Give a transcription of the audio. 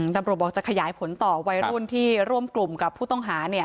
ตำรวจบอกจะขยายผลต่อวัยรุ่นที่ร่วมกลุ่มกับผู้ต้องหา